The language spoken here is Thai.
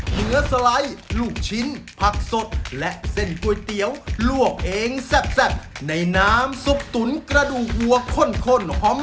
ตุ้มถันมากและก็เตี๋ยวง่ายมากครับผม